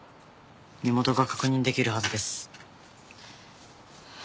身元が確認出来るはずです。